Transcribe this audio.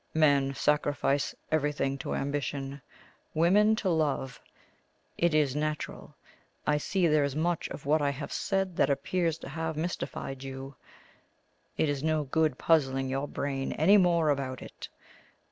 Men sacrifice everything to ambition; women to love. It is natural. I see there is much of what I have said that appears to have mystified you; it is no good puzzling your brain any more about it.